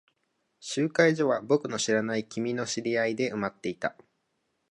集会所は僕の知らない君の知り合いで埋まっていた。